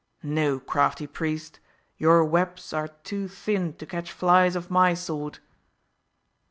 No, crafty priest; your webs are too thin to catch flies of my sort."